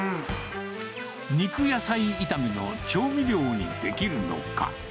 肉野菜炒めの調味料にできるのか。